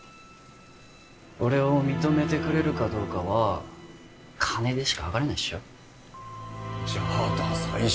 俺を認めてくれるかどうかは金でしかはかれないっしょじゃあダサい